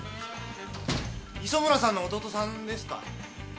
磯村さんの弟さんですか？